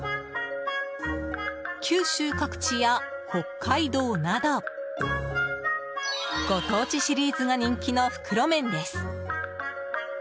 九州各地や北海道などご当地シリーズが人気の袋麺です。